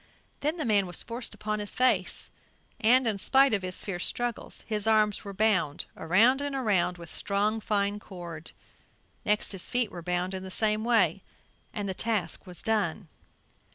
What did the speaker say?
Then the man was forced upon his face and, in spite of his fierce struggles, his arms were bound around and around with strong fine cord; next his feet were bound in the same way, and the task was done.